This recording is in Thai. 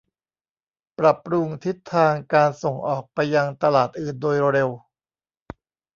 ปรับปรุงทิศทางการส่งออกไปยังตลาดอื่นโดยเร็ว